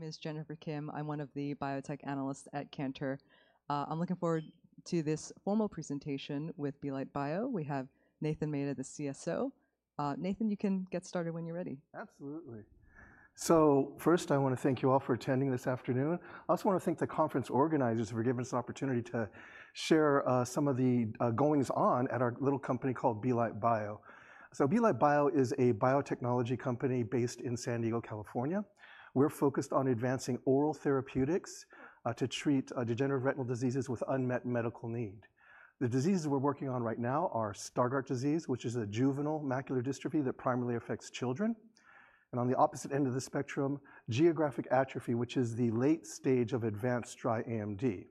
My name is Jennifer Kim. I'm one of the biotech analysts at Cantor. I'm looking forward to this formal presentation with Belite Bio. We have Nathan Mata, the CSO. Nathan, you can get started when you're ready. Absolutely. So first, I wanna thank you all for attending this afternoon. I also wanna thank the conference organizers for giving us the opportunity to share some of the goings on at our little company called Belite Bio. So Belite Bio is a biotechnology company based in San Diego, California. We're focused on advancing oral therapeutics to treat degenerative retinal diseases with unmet medical need. The diseases we're working on right now are Stargardt disease, which is a juvenile macular dystrophy that primarily affects children, and on the opposite end of the spectrum, geographic atrophy, which is the late stage of advanced dry AMD.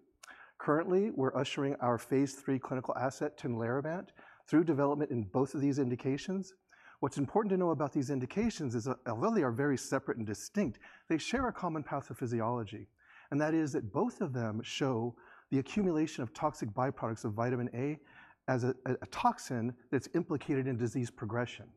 Currently, we're ushering our phase III clinical asset, Tinlarebant, through development in both of these indications. What's important to know about these indications is, although they are very separate and distinct, they share a common pathophysiology, and that is that both of them show the accumulation of toxic byproducts of vitamin A as a toxin that's implicated in disease progression.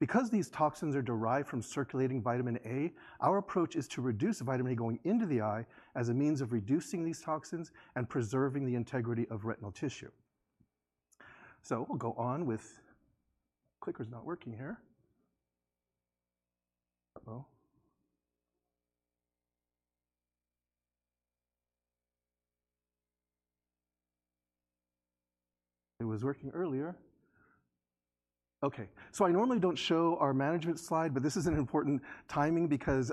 Because these toxins are derived from circulating vitamin A, our approach is to reduce the vitamin A going into the eye as a means of reducing these toxins and preserving the integrity of retinal tissue. So we'll go on with... Clicker's not working here. It was working earlier. Okay, so I normally don't show our management slide, but this is an important timing because,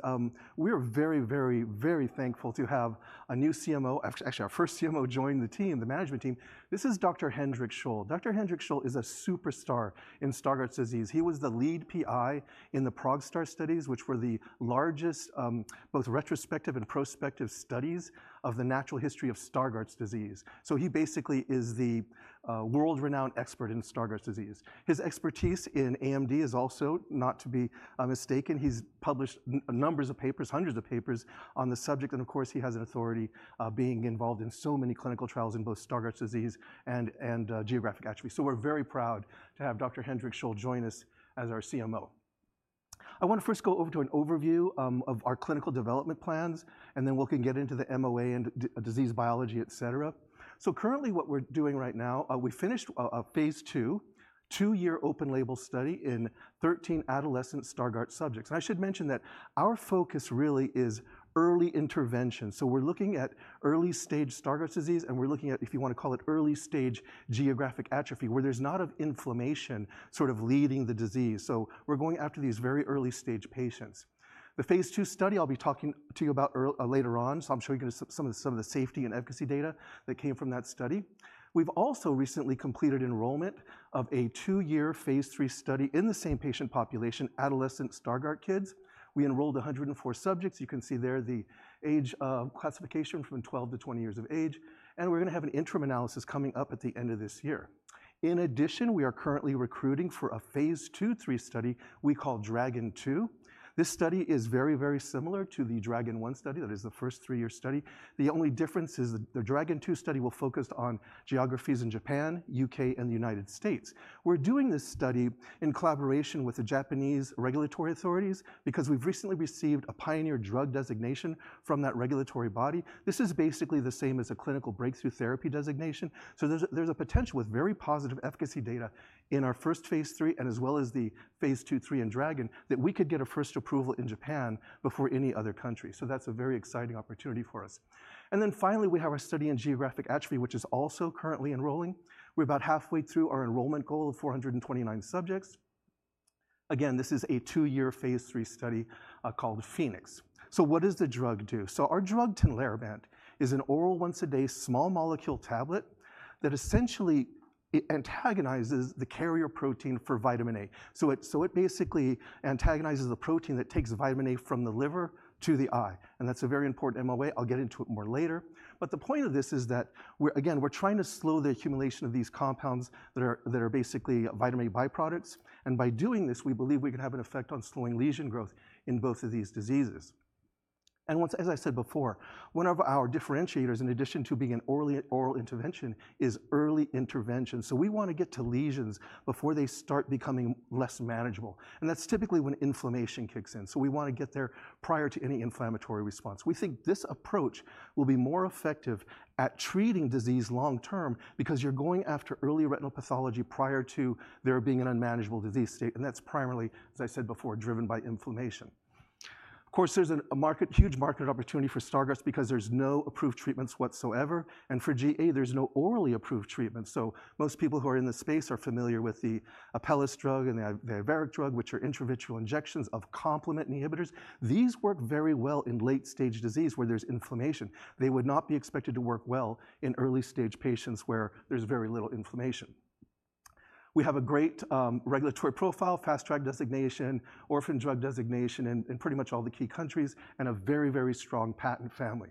we're very, very, very thankful to have a new CMO, actually, our first CMO join the team, the management team. This is Dr. Hendrik Scholl. Dr. Hendrik Scholl is a superstar in Stargardt's disease. He was the lead PI in the PROGSTAR studies, which were the largest both retrospective and prospective studies of the natural history of Stargardt's disease. So he basically is the world-renowned expert in Stargardt's disease. His expertise in AMD is also not to be mistaken. He's published numbers of papers, hundreds of papers, on the subject, and of course, he has an authority being involved in so many clinical trials in both Stargardt's disease and geographic atrophy. So we're very proud to have Dr. Hendrik Scholl join us as our CMO. I want to first go over to an overview of our clinical development plans, and then we can get into the MOA and disease biology, et cetera. So currently, what we're doing right now, we finished a phase II, two-year open label study in 13 adolescent Stargardt subjects. And I should mention that our focus really is early intervention, so we're looking at early-stage Stargardt's disease, and we're looking at, if you wanna call it, early-stage geographic atrophy, where there's not an inflammation sort of leading the disease. So we're going after these very early-stage patients. The phase II study, I'll be talking to you about earlier, later on, so I'm showing you some of the safety and efficacy data that came from that study. We've also recently completed enrollment of a two-year phase III study in the same patient population, adolescent Stargardt kids. We enrolled 104 subjects. You can see there the age classification from twelve to twenty years of age, and we're gonna have an interim analysis coming up at the end of this year. In addition, we are currently recruiting for a Phase III study we call DRAGON II. This study is very, very similar to the DRAGON study. That is the first three-year study. The only difference is the DRAGON II study will focus on geographies in Japan, U.K., and the United States. We're doing this study in collaboration with the Japanese regulatory authorities because we've recently received a pioneer drug designation from that regulatory body. This is basically the same as a clinical breakthrough therapy designation. So there's a potential with very positive efficacy data in our first phase III, and as well as the phase II, III in DRAGON, that we could get a first approval in Japan before any other country, so that's a very exciting opportunity for us. And then finally, we have our study in geographic atrophy, which is also currently enrolling. We're about halfway through our enrollment goal of 429 subjects. Again, this is a two-year phase III study called PHOENIX. So what does the drug do? So our drug, Tinlarebant, is an oral, once-a-day, small molecule tablet, that essentially, it antagonizes the carrier protein for vitamin A. So it, so it basically antagonizes the protein that takes vitamin A from the liver to the eye, and that's a very important MOA. I'll get into it more later. The point of this is that we're, again, trying to slow the accumulation of these compounds that are basically vitamin A byproducts, and by doing this, we believe we can have an effect on slowing lesion growth in both of these diseases. As I said before, one of our differentiators, in addition to being an early oral intervention, is early intervention, so we wanna get to lesions before they start becoming less manageable, and that's typically when inflammation kicks in. We wanna get there prior to any inflammatory response. We think this approach will be more effective at treating disease long term because you're going after early retinal pathology prior to there being an unmanageable disease state, and that's primarily, as I said before, driven by inflammation. Of course, there's a market, huge market opportunity for Stargardt's because there's no approved treatments whatsoever, and for GA, there's no orally approved treatment. So most people who are in the space are familiar with the Apellis drug and the Iveric drug, which are intravitreal injections of complement inhibitors. These work very well in late-stage disease where there's inflammation. They would not be expected to work well in early-stage patients where there's very little inflammation. We have a great regulatory profile, Fast Track designation, Orphan Drug designation in pretty much all the key countries, and a very, very strong patent family.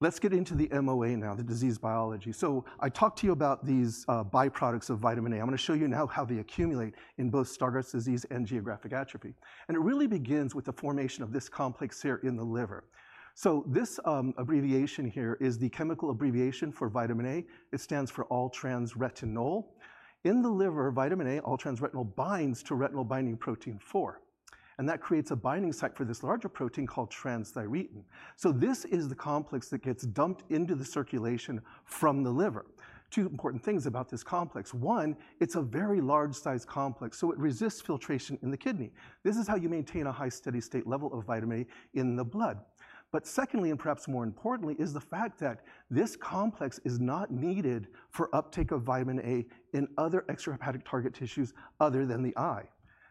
Let's get into the MOA now, the disease biology. So I talked to you about these byproducts of vitamin A. I'm gonna show you now how they accumulate in both Stargardt disease and geographic atrophy, and it really begins with the formation of this complex here in the liver. So this abbreviation here is the chemical abbreviation for vitamin A. It stands for all-trans-retinol. In the liver, vitamin A, all-trans-retinol, binds to retinol binding protein four, and that creates a binding site for this larger protein called transthyretin. So this is the complex that gets dumped into the circulation from the liver. Two important things about this complex: One, it's a very large-sized complex, so it resists filtration in the kidney. This is how you maintain a high, steady state level of vitamin A in the blood. But secondly, and perhaps more importantly, is the fact that this complex is not needed for uptake of vitamin A in other extrahepatic target tissues other than the eye.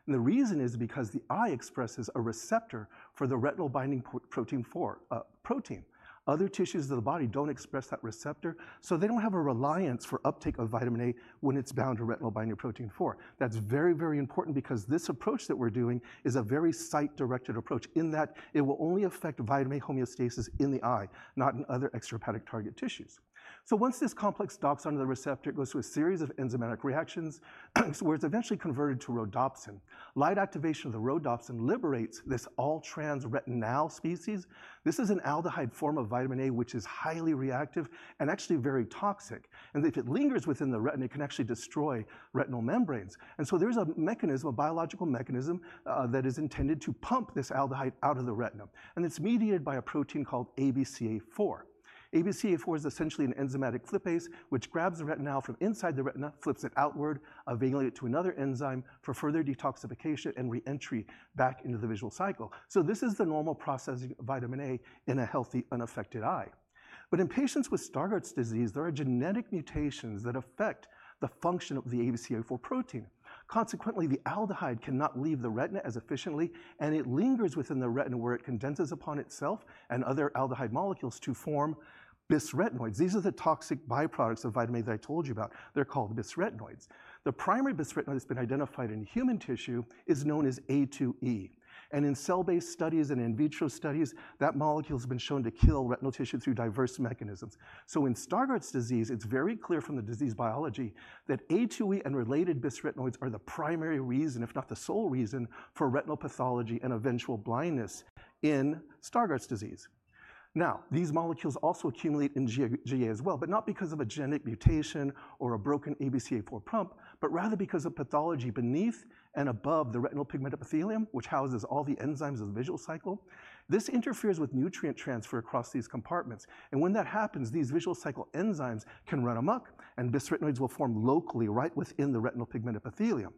The reason is because the eye expresses a receptor for the retinol binding protein four, protein. Other tissues of the body don't express that receptor, so they don't have a reliance for uptake of vitamin A when it's bound to retinol binding protein four. That's very, very important because this approach that we're doing is a very site-directed approach, in that it will only affect vitamin A homeostasis in the eye, not in other extrahepatic target tissues. Once this complex docks onto the receptor, it goes through a series of enzymatic reactions, where it's eventually converted to rhodopsin. Light activation of the rhodopsin liberates this all-trans retinal species. This is an aldehyde form of vitamin A, which is highly reactive and actually very toxic, and if it lingers within the retina, it can actually destroy retinal membranes. And so there's a mechanism, a biological mechanism, that is intended to pump this aldehyde out of the retina, and it's mediated by a protein called ABCA4. ABCA4 is essentially an enzymatic flippase, which grabs the retinal from inside the retina, flips it outward, available to another enzyme for further detoxification and re-entry back into the visual cycle. So this is the normal process of vitamin A in a healthy, unaffected eye. But in patients with Stargardt's disease, there are genetic mutations that affect the function of the ABCA4 protein. Consequently, the aldehyde cannot leave the retina as efficiently, and it lingers within the retina, where it condenses upon itself and other aldehyde molecules to form bisretinoids. These are the toxic byproducts of vitamin A that I told you about. They're called bisretinoids. The primary bisretinoid that's been identified in human tissue is known as A2E, and in cell-based studies and in vitro studies, that molecule has been shown to kill retinal tissue through diverse mechanisms. So in Stargardt's disease, it's very clear from the disease biology that A2E and related bisretinoids are the primary reason, if not the sole reason, for retinal pathology and eventual blindness in Stargardt's disease. Now, these molecules also accumulate in GA, GA as well, but not because of a genetic mutation or a broken ABCA4 pump, but rather because of pathology beneath and above the retinal pigment epithelium, which houses all the enzymes of the visual cycle. This interferes with nutrient transfer across these compartments, and when that happens, these visual cycle enzymes can run amok, and bisretinoids will form locally right within the retinal pigment epithelium.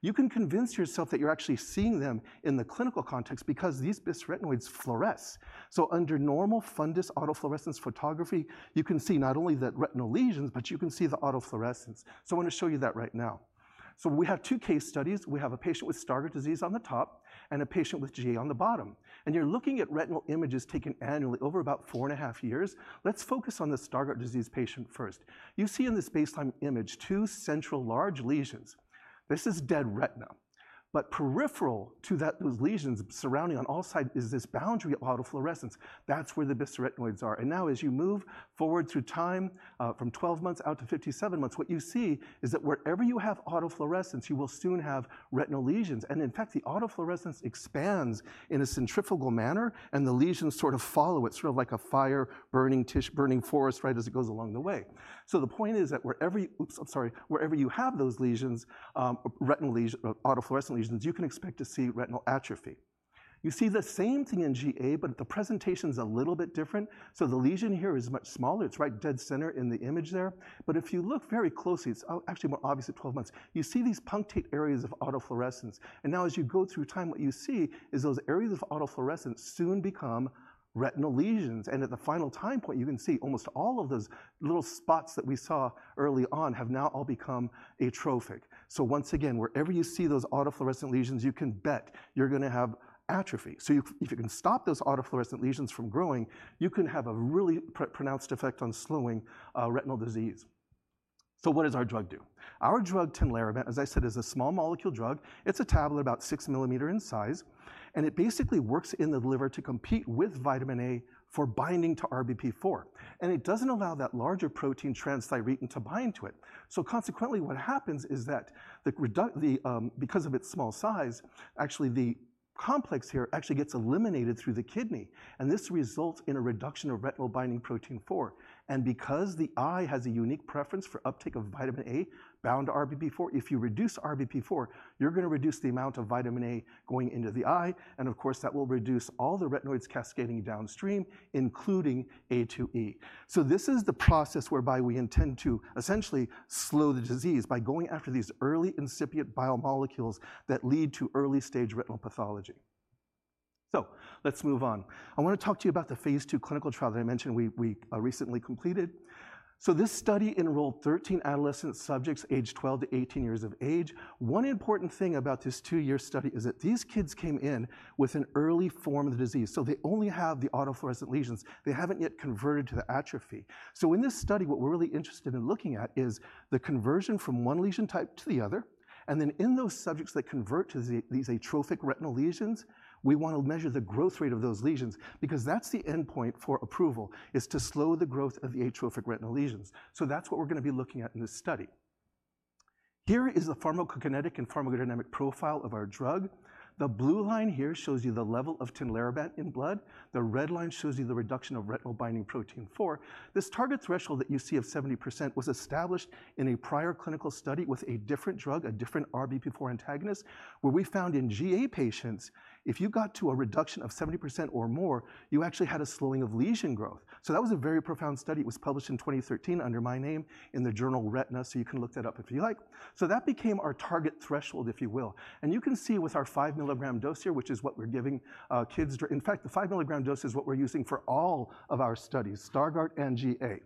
You can convince yourself that you're actually seeing them in the clinical context because these bisretinoids fluoresce. So under normal fundus autofluorescence photography, you can see not only the retinal lesions, but you can see the autofluorescence. So I wanna show you that right now. So we have two case studies. We have a patient with Stargardt disease on the top, and a patient with GA on the bottom, and you're looking at retinal images taken annually over about four and a half years. Let's focus on the Stargardt disease patient first. You see in this baseline image two central large lesions. This is dead retina, but peripheral to that, those lesions, surrounding on all sides, is this boundary of autofluorescence. That's where the bisretinoids are. Now, as you move forward through time, from 12 months out to 57 months, what you see is that wherever you have autofluorescence, you will soon have retinal lesions. In fact, the autofluorescence expands in a centrifugal manner, and the lesions sort of follow it, sort of like a fire burning forest, right as it goes along the way. The point is that wherever you have those lesions, retinal autofluorescent lesions, you can expect to see retinal atrophy. You see the same thing in GA, but the presentation's a little bit different. The lesion here is much smaller. It's right dead center in the image there. But if you look very closely, it's actually more obvious at 12 months, you see these punctate areas of autofluorescence. Now, as you go through time, what you see is those areas of autofluorescence soon become retinal lesions. At the final time point, you can see almost all of those little spots that we saw early on have now all become atrophic. Once again, wherever you see those autofluorescent lesions, you can bet you're gonna have atrophy. If you can stop those autofluorescent lesions from growing, you can have a really pronounced effect on slowing retinal disease. What does our drug do? Our drug, Tinlarebant, as I said, is a small molecule drug. It's a tablet about six millimeters in size, and it basically works in the liver to compete with vitamin A for binding to RBP4, and it doesn't allow that larger protein, transthyretin, to bind to it. So consequently, what happens is that because of its small size, actually, the complex here actually gets eliminated through the kidney, and this results in a reduction of retinol binding protein four, and because the eye has a unique preference for uptake of vitamin A bound to RBP4, if you reduce RBP4, you're gonna reduce the amount of vitamin A going into the eye, and of course, that will reduce all the retinoids cascading downstream, including A2E, so this is the process whereby we intend to essentially slow the disease by going after these early incipient biomolecules that lead to early-stage retinal pathology, so let's move on. I wanna talk to you about the phase II clinical trial that I mentioned we recently completed, so this study enrolled 13 adolescent subjects, aged 12-18 years of age. One important thing about this two-year study is that these kids came in with an early form of the disease, so they only have the autofluorescent lesions. They haven't yet converted to the atrophy. So in this study, what we're really interested in looking at is the conversion from one lesion type to the other, and then in those subjects that convert to these atrophic retinal lesions, we wanna measure the growth rate of those lesions because that's the endpoint for approval, is to slow the growth of the atrophic retinal lesions. So that's what we're gonna be looking at in this study. Here is the pharmacokinetic and pharmacodynamic profile of our drug. The blue line here shows you the level of Tinlarebant in blood. The red line shows you the reduction of retinol binding protein 4. This target threshold that you see of 70% was established in a prior clinical study with a different drug, a different RBP4 antagonist, where we found in GA patients, if you got to a reduction of 70% or more, you actually had a slowing of lesion growth. So that was a very profound study. It was published in twenty thirteen under my name in the journal Retina, so you can look that up if you like. So that became our target threshold, if you will. And you can see with our five milligram dose here, which is what we're giving, kids. In fact, the five milligram dose is what we're using for all of our studies, Stargardt and GA.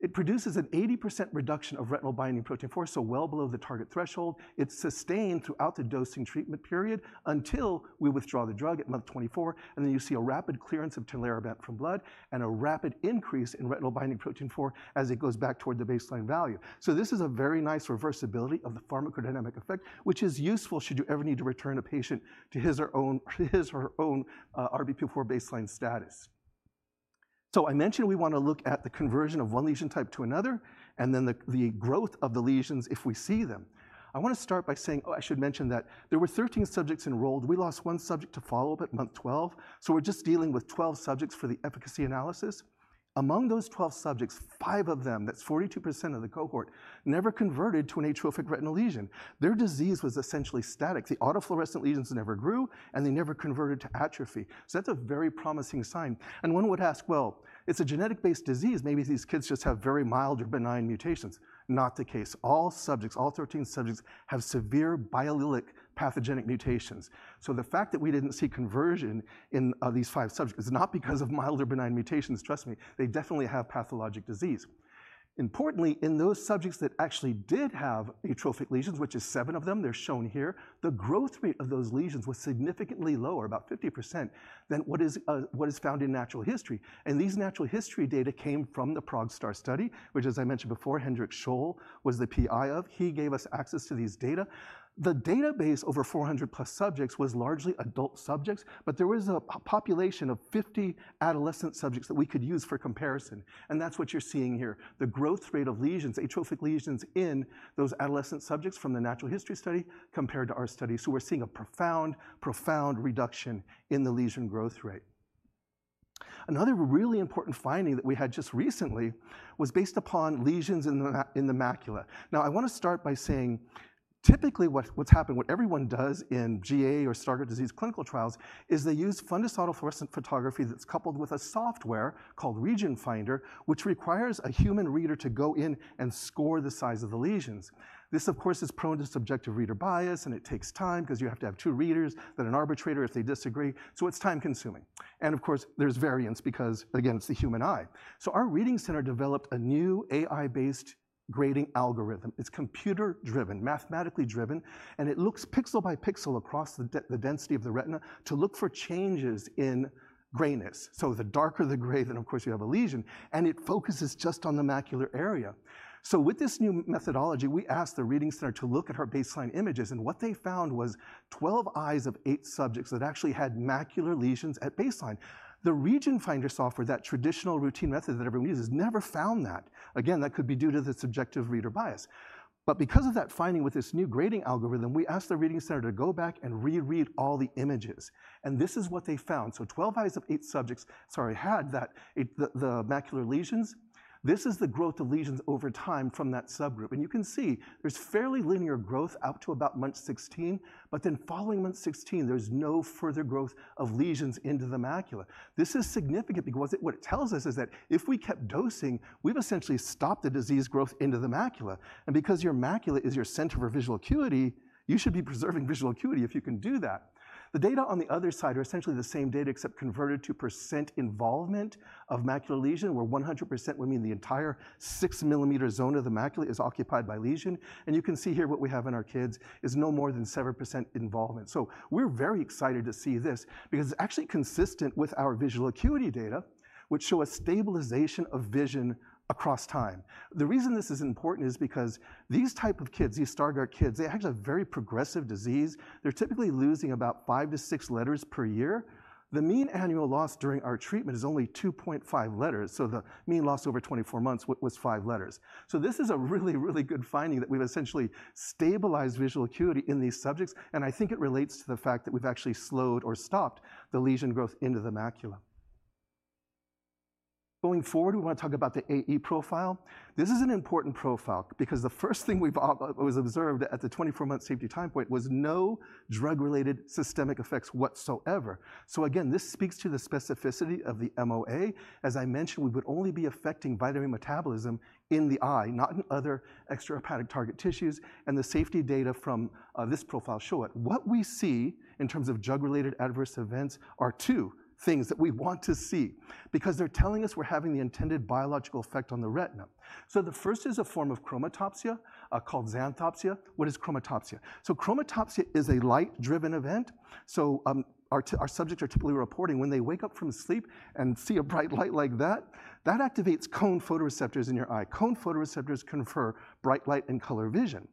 It produces an 80% reduction of retinol binding protein 4, so well below the target threshold. It's sustained throughout the dosing treatment period until we withdraw the drug at month 24, and then you see a rapid clearance of Tinlarebant from blood and a rapid increase in retinol binding protein 4 as it goes back toward the baseline value. So this is a very nice reversibility of the pharmacodynamic effect, which is useful should you ever need to return a patient to his or own, his or her own, RBP4 baseline status. So I mentioned we wanna look at the conversion of one lesion type to another, and then the growth of the lesions if we see them. I wanna start by saying... Oh, I should mention that there were 13 subjects enrolled. We lost one subject to follow-up at month 12, so we're just dealing with 12 subjects for the efficacy analysis. Among those 12 subjects, five of them, that's 42% of the cohort, never converted to an atrophic retinal lesion. Their disease was essentially static. The autofluorescent lesions never grew, and they never converted to atrophy. So that's a very promising sign. And one would ask, "Well, it's a genetic-based disease. Maybe these kids just have very mild or benign mutations." Not the case. All subjects, all 13 subjects, have severe biallelic pathogenic mutations. So the fact that we didn't see conversion in these five subjects is not because of mild or benign mutations. Trust me, they definitely have pathologic disease. Importantly, in those subjects that actually did have atrophic lesions, which is seven of them, they're shown here, the growth rate of those lesions was significantly lower, about 50%, than what is found in natural history. These natural history data came from the PROGSTAR study, which, as I mentioned before, Hendrik Scholl was the PI of. He gave us access to these data. The database, over 400+ subjects, was largely adult subjects, but there was a population of 50 adolescent subjects that we could use for comparison, and that's what you're seeing here. The growth rate of lesions, atrophic lesions in those adolescent subjects from the Natural History study compared to our study. So we're seeing a profound, profound reduction in the lesion growth rate. Another really important finding that we had just recently was based upon lesions in the macula. Now, I wanna start by saying, typically, what everyone does in GA or Stargardt disease clinical trials is they use fundus autofluorescence photography that's coupled with a software called RegionFinder, which requires a human reader to go in and score the size of the lesions. This, of course, is prone to subjective reader bias, and it takes time 'cause you have to have two readers, then an arbitrator if they disagree, so it's time-consuming. And of course, there's variance because, again, it's the human eye. So our reading center developed a new AI-based grading algorithm. It's computer-driven, mathematically driven, and it looks pixel by pixel across the density of the retina to look for changes in grayness. So the darker the gray, then, of course, you have a lesion, and it focuses just on the macular area. So with this new methodology, we asked the reading center to look at our baseline images, and what they found was twelve eyes of eight subjects that actually had macular lesions at baseline. The RegionFinder software, that traditional routine method that everyone uses, never found that. Again, that could be due to the subjective reader bias. But because of that finding with this new grading algorithm, we asked the reading center to go back and reread all the images, and this is what they found. So twelve eyes of eight subjects, sorry, had the macular lesions. This is the growth of lesions over time from that subgroup, and you can see there's fairly linear growth up to about month 16, but then following month 16, there's no further growth of lesions into the macula. This is significant because what it tells us is that if we kept dosing, we've essentially stopped the disease growth into the macula. And because your macula is your center for visual acuity, you should be preserving visual acuity if you can do that. The data on the other side are essentially the same data, except converted to percent involvement of macular lesion, where 100% would mean the entire six millimeter zone of the macula is occupied by lesion. And you can see here what we have in our kids is no more than 7% involvement. So we're very excited to see this because it's actually consistent with our visual acuity data, which show a stabilization of vision across time. The reason this is important is because these type of kids, these Stargardt kids, they actually have a very progressive disease. They're typically losing about five to six letters per year. The mean annual loss during our treatment is only 2.5 letters, so the mean loss over 24 months was five letters. This is a really, really good finding that we've essentially stabilized visual acuity in these subjects, and I think it relates to the fact that we've actually slowed or stopped the lesion growth into the macula. Going forward, we wanna talk about the AE profile. This is an important profile because the first thing we've observed at the 24-month safety time point was no drug-related systemic effects whatsoever. Again, this speaks to the specificity of the MOA. As I mentioned, we would only be affecting vitamin metabolism in the eye, not in other extrahepatic target tissues, and the safety data from this profile show it. What we see in terms of drug-related adverse events are two things that we want to see because they're telling us we're having the intended biological effect on the retina. So the first is a form of chromatopsia called xanthopsia. What is chromatopsia? So chromatopsia is a light-driven event. So, our subjects are typically reporting when they wake up from sleep and see a bright light like that, that activates cone photoreceptors in your eye. Cone photoreceptors confer bright light and color vision,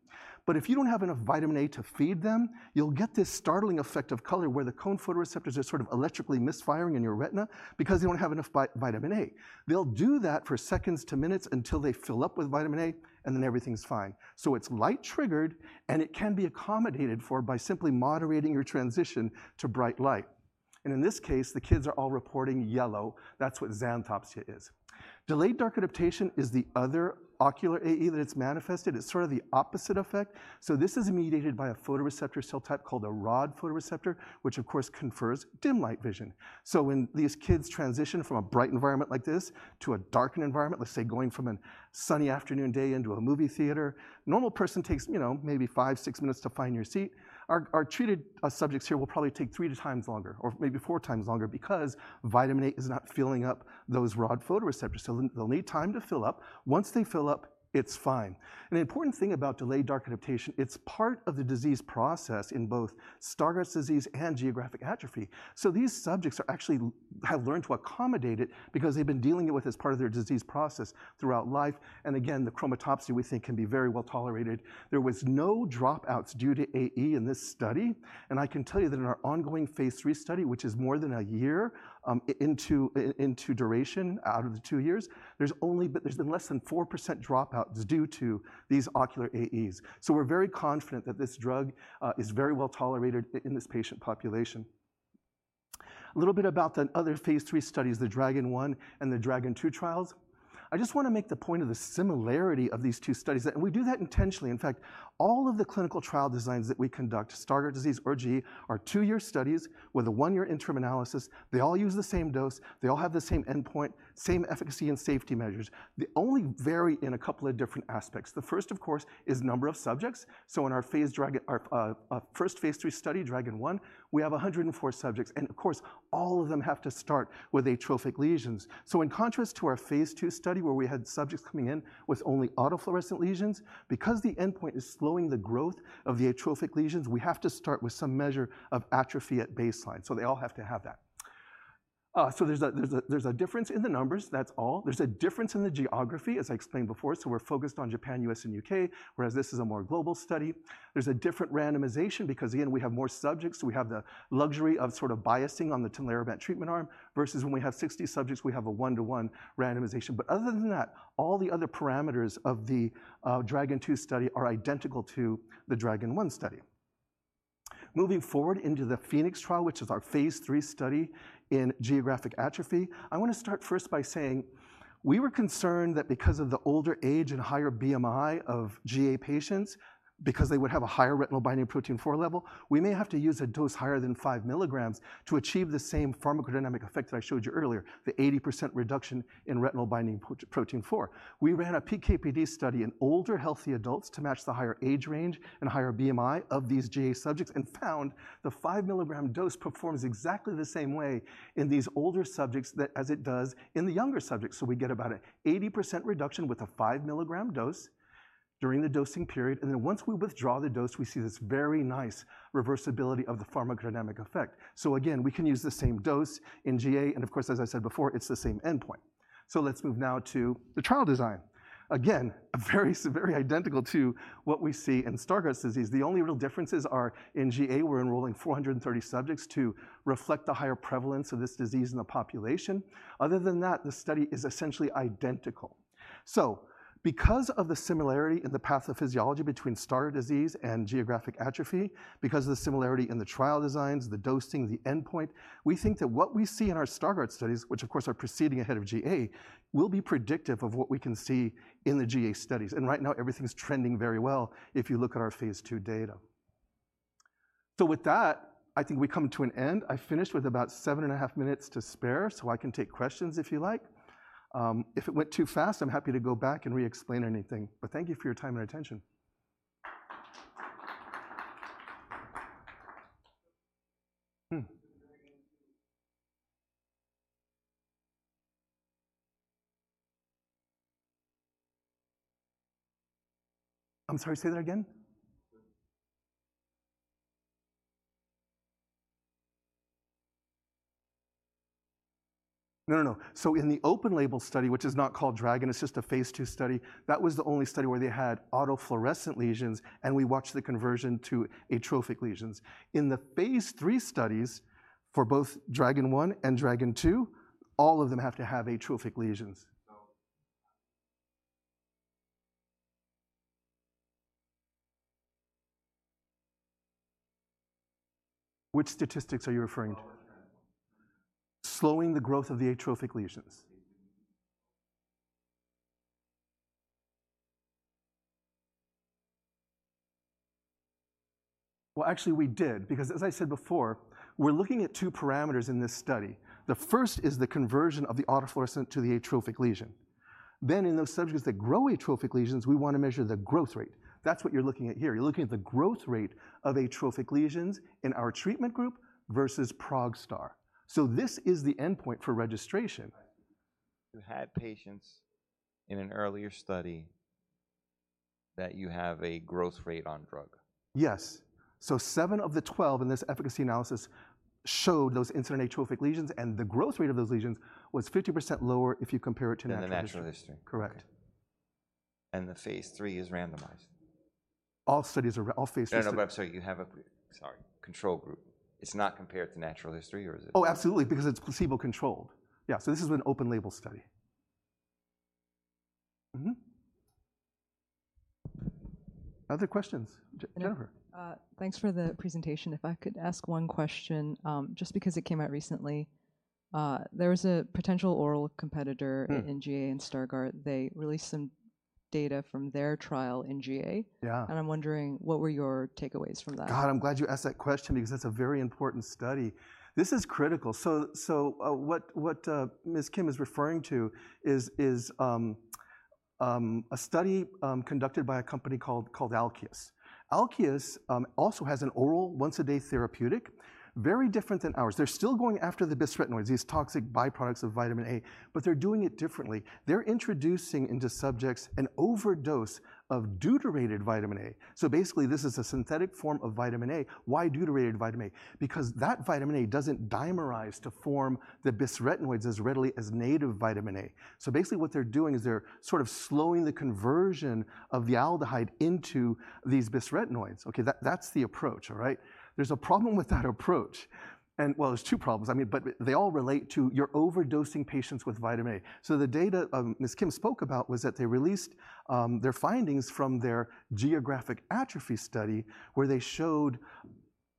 but if you don't have enough vitamin A to feed them, you'll get this startling effect of color, where the cone photoreceptors are sort of electrically misfiring in your retina because they don't have enough vitamin A. They'll do that for seconds to minutes until they fill up with vitamin A, and then everything's fine. So it's light-triggered, and it can be accommodated for by simply moderating your transition to bright light, and in this case, the kids are all reporting yellow. That's what xanthopsia is. Delayed dark adaptation is the other ocular AE that it's manifested. It's sort of the opposite effect. So this is mediated by a photoreceptor cell type called a rod photoreceptor, which of course confers dim light vision. So when these kids transition from a bright environment like this to a darkened environment, let's say going from a sunny afternoon day into a movie theater, normal person takes, you know, maybe five, six minutes to find your seat. Our treated subjects here will probably take three times longer or maybe four times longer because vitamin A is not filling up those rod photoreceptor, so they'll need time to fill up. Once they fill up, it's fine. The important thing about delayed dark adaptation, it's part of the disease process in both Stargardt disease and geographic atrophy. So these subjects are actually have learned to accommodate it because they've been dealing it with as part of their disease process throughout life, and again, the chromatopsia, we think, can be very well tolerated. There was no dropouts due to AE in this study, and I can tell you that in our ongoing phase III study, which is more than a year into duration out of the two years, there's only been. There's been less than 4% dropouts due to these ocular AEs. So we're very confident that this drug is very well tolerated in this patient population. A little bit about the other phase III studies, the DRAGON I and the DRAGON II trials. I just wanna make the point of the similarity of these two studies, and we do that intentionally. In fact, all of the clinical trial designs that we conduct, Stargardt disease or GE, are two-year studies with a one-year interim analysis. They all use the same dose, they all have the same endpoint, same efficacy and safety measures. They only vary in a couple of different aspects. The first, of course, is number of subjects. So in our phase DRAGON, our first phase III study, DRAGON I, we have 104 subjects, and of course, all of them have to start with atrophic lesions. So in contrast to our phase II study, where we had subjects coming in with only autofluorescent lesions, because the endpoint is slowing the growth of the atrophic lesions, we have to start with some measure of atrophy at baseline, so they all have to have that. So there's a difference in the numbers, that's all. There's a difference in the geography, as I explained before, so we're focused on Japan, U.S., and U.K., whereas this is a more global study. There's a different randomization because, again, we have more subjects. We have the luxury of sort of biasing on the Tinlarebant treatment arm, versus when we have 60 subjects, we have a one-to-one randomization. But other than that, all the other parameters of the DRAGON II study are identical to the DRAGON I study. Moving forward into the PHOENIX trial, which is our phase III study in geographic atrophy, I wanna start first by saying we were concerned that because of the older age and higher BMI of GA patients, because they would have a higher retinol binding protein 4 level, we may have to use a dose higher than five milligrams to achieve the same pharmacodynamic effect that I showed you earlier, the 80% reduction in retinol binding protein 4. We ran a PK/PD study in older healthy adults to match the higher age range and higher BMI of these GA subjects and found the five-milligram dose performs exactly the same way in these older subjects that as it does in the younger subjects. We get about an 80% reduction with a 5-milligram dose during the dosing period, and then once we withdraw the dose, we see this very nice reversibility of the pharmacodynamic effect. Again, we can use the same dose in GA, and of course, as I said before, it's the same endpoint. Let's move now to the trial design. Again, very identical to what we see in Stargardt disease. The only real differences are in GA, we're enrolling 430 subjects to reflect the higher prevalence of this disease in the population. Other than that, the study is essentially identical. So because of the similarity in the pathophysiology between Stargardt disease and geographic atrophy, because of the similarity in the trial designs, the dosing, the endpoint, we think that what we see in our Stargardt studies, which, of course, are proceeding ahead of GA, will be predictive of what we can see in the GA studies, and right now, everything is trending very well, if you look at our phase II data. So with that, I think we come to an end. I finished with about seven and a half minutes to spare, so I can take questions if you like. If it went too fast, I'm happy to go back and re-explain anything, but thank you for your time and attention. I'm sorry, say that again? No, no, no. So in the open label study, which is not called DRAGON, it's just a phase II study, that was the only study where they had autofluorescent lesions, and we watched the conversion to atrophic lesions. In the phase III studies, for both DRAGON I and DRAGON II, all of them have to have atrophic lesions. So- Which statistics are you referring to? ... All the time. Slowing the growth of the atrophic lesions. Well, actually, we did, because as I said before, we're looking at two parameters in this study. The first is the conversion of the autofluorescence to the atrophic lesion. Then, in those subjects that grow atrophic lesions, we wanna measure the growth rate. That's what you're looking at here. You're looking at the growth rate of atrophic lesions in our treatment group versus PROGSTAR. So this is the endpoint for registration. You had patients in an earlier study that you have a growth rate on drug? Yes. So seven of the twelve in this efficacy analysis showed those incident atrophic lesions, and the growth rate of those lesions was 50% lower if you compare it to natural- In the natural history? Correct. The phase III is randomized? All Phase III No, but sorry, you have a control group. It's not compared to natural history, or is it? Oh, absolutely, because it's placebo-controlled. Yeah, so this is an open label study. Other questions? Jennifer. Thanks for the presentation. If I could ask one question, just because it came out recently. There was a potential oral competitor- Mm. in GA and Stargardt. They released some data from their trial in GA. Yeah. I'm wondering, what were your takeaways from that? God, I'm glad you asked that question because that's a very important study. This is critical. What Ms. Kim is referring to is a study conducted by a company called Alkeus. Alkeus also has an oral once a day therapeutic, very different than ours. They're still going after the bisretinoids, these toxic byproducts of vitamin A, but they're doing it differently. They're introducing into subjects an overdose of deuterated vitamin A. So basically, this is a synthetic form of vitamin A. Why deuterated vitamin A? Because that vitamin A doesn't dimerize to form the bisretinoids as readily as native vitamin A. So basically, what they're doing is they're sort of slowing the conversion of the aldehyde into these bisretinoids. Okay, that's the approach, all right? There's a problem with that approach, and there's two problems. I mean, but they all relate to you're overdosing patients with vitamin A. So the data, Ms. Kim spoke about was that they released, their findings from their geographic atrophy study, where they showed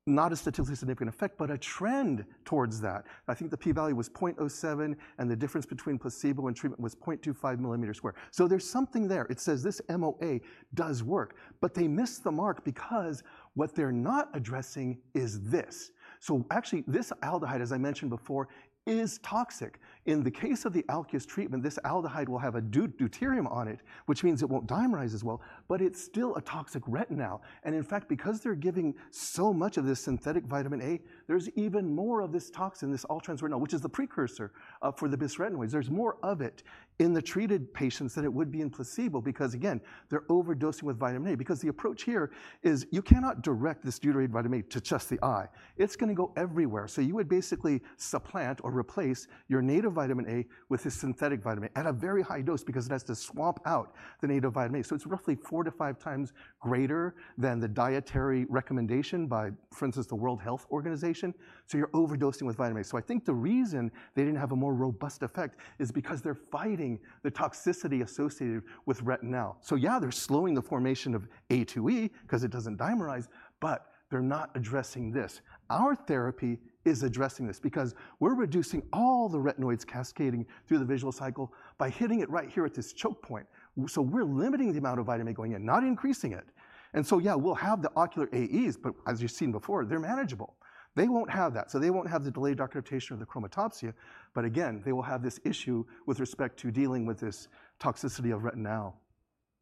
not a statistically significant effect, but a trend towards that. I think the p-value was point oh seven, and the difference between placebo and treatment was point two five millimeters square. So there's something there. It says this MOA does work, but they missed the mark because what they're not addressing is this. So actually, this aldehyde, as I mentioned before, is toxic. In the case of the Alkeus treatment, this aldehyde will have a deuterium on it, which means it won't dimerize as well, but it's still a toxic retinal. In fact, because they're giving so much of this synthetic vitamin A, there's even more of this toxin, this all-trans-retinal, which is the precursor for the bisretinoids. There's more of it in the treated patients than it would be in placebo because, again, they're overdosing with vitamin A. Because the approach here is you cannot direct this deuterated vitamin A to just the eye. It's gonna go everywhere. So you would basically supplant or replace your native vitamin A with this synthetic vitamin A at a very high dose because it has to swap out the native vitamin A. So it's roughly four to five times greater than the dietary recommendation by, for instance, the World Health Organization, so you're overdosing with vitamin A. So I think the reason they didn't have a more robust effect is because they're fighting the toxicity associated with retinal. So yeah, they're slowing the formation of A2E because it doesn't dimerize, but they're not addressing this. Our therapy is addressing this because we're reducing all the retinoids cascading through the visual cycle by hitting it right here at this choke point. So we're limiting the amount of vitamin A going in, not increasing it. And so, yeah, we'll have the ocular AEs, but as you've seen before, they're manageable. They won't have that, so they won't have the delayed dark adaptation or the chromatopsia, but again, they will have this issue with respect to dealing with this toxicity of retinal.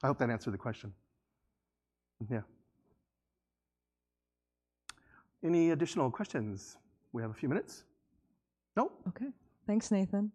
I hope that answered the question. Yeah. Any additional questions? We have a few minutes. No? Okay. Thanks, Nathan.